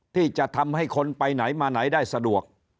ที่จะทำให้คนไปไหนมาไหนได้สะดวก